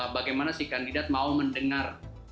bagaimana sih kandidat mau mendengar